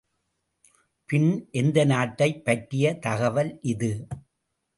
பின், எந்தநாட்டைப் பற்றிய தகவல் இது?